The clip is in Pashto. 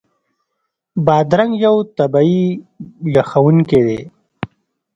بادرنګ یو طبعي یخونکی دی.